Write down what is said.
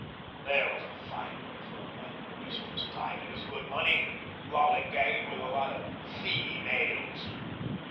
There was a fine way for a man to waste his time and his good money, lally gagging with a lot of feemales.